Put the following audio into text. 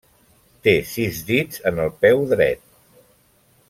Té sis dits en el peu dret.